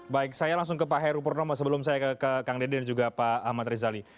baik saya langsung ke pak heru purnomo sebelum saya ke kang dede dan juga pak ahmad rizali